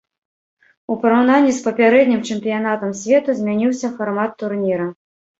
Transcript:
У параўнанні з папярэднім чэмпіянатам свету змяніўся фармат турніра.